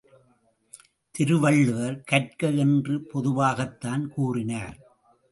திருவள்ளுவர் கற்க என்று பொதுவாகத்தான் கூறினார்.